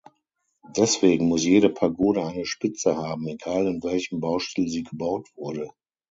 Deswegen muss jede Pagode eine Spitze haben, egal in welchem Baustil sie gebaut wurde.